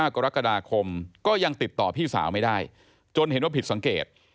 กรกฎาคมก็ยังติดต่อพี่สาวไม่ได้จนเห็นว่าผิดสังเกต